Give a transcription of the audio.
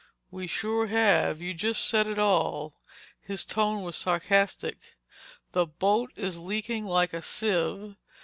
"We sure have. You just said it all—" His tone was sarcastic. "The boat is leaking like a sieve.